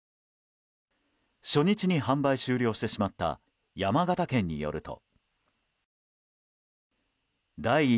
初日に販売終了してしまった山形県によると。